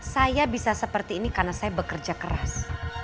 saya bisa seperti ini karena saya bekerja keras